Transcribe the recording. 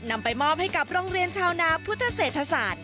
นำไปมอบให้กับโรงเรียนชาวนาพุทธเศรษฐศาสตร์